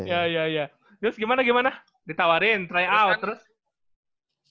ya ya ya terus gimana gimana ditawarin try out terus